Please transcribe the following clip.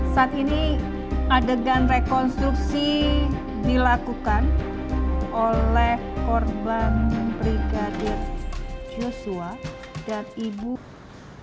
saat ini adegan rekonstruksi dilakukan oleh korban brigadir joshua dan ibu korban